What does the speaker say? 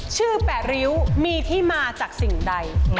แปดริ้วมีที่มาจากสิ่งใด